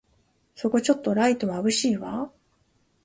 そこちょっとライトまぶしいわ